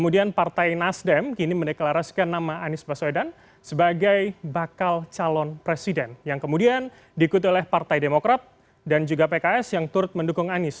dan dikutuk oleh pks yang turut mendukung anies